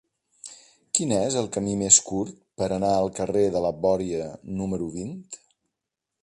Quin és el camí més curt per anar al carrer de la Bòria número vint?